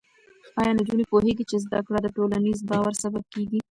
ایا نجونې پوهېږي چې زده کړه د ټولنیز باور سبب کېږي؟